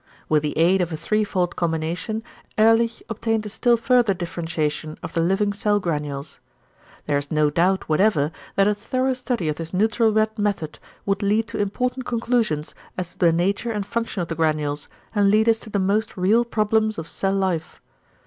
With the aid of a threefold combination Ehrlich obtained a still further differentiation of the living cell granules. There is no doubt whatever that a thorough study of this neutral red method would lead to important conclusions as to the nature and function of the granules, and lead us to the most real problems of cell life.